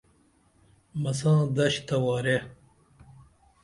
مسا دش تہ ورے